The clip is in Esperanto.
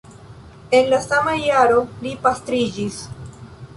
En la sama jaro li pastriĝis.